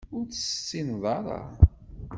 Ur tt-tessineḍ ara.